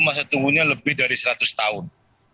masa tunggu nya lebih dari seratus tahun